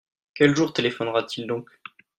Quel jour téléphonera-t-il donc ?